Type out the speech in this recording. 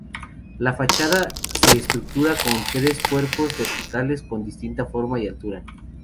La fachada se estructura con tres cuerpos verticales con distinta forma y altura.